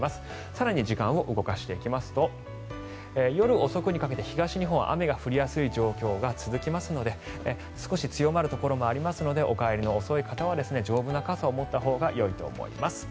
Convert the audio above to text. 更に時間を動かしていきますと夜遅くにかけて東日本は雨が降りやすい状況が続きますので少し強まるところもありますのでお帰りの遅い方は丈夫な傘を持ったほうがよいと思います。